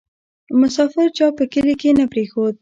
ـ مسافر چا په کلي کې نه پرېښود